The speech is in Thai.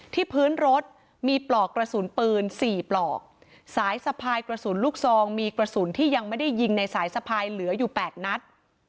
พื้นรถมีปลอกกระสุนปืนสี่ปลอกสายสะพายกระสุนลูกซองมีกระสุนที่ยังไม่ได้ยิงในสายสะพายเหลืออยู่แปดนัด